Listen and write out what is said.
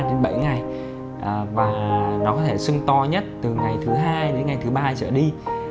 cái để giải quyết sưng đau thì nó sẽ diễn ra trong vòng từ ba đến bảy ngày và nó có thể sưng to nhất từ ngày thứ hai đến ngày thứ ba trở đi